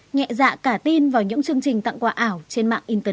nhẹ dạ cả tin vào những chương trình tặng quà ảo trên mạng internet